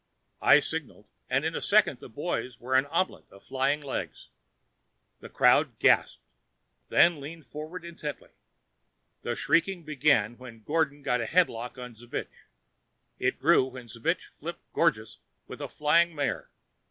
I signaled and in a second the boys were an omelet of flying legs. The crowd gasped, then leaned forward intently. The shrieking began when Gordon got a headlock on Zbich. It grew when Zbich flipped Gorgeous with a flying mare.